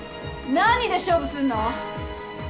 何で勝負すんの？